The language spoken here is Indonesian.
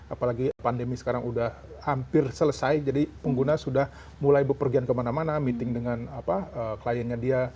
apalagi pandemi sekarang sudah hampir selesai jadi pengguna sudah mulai berpergian kemana mana meeting dengan kliennya dia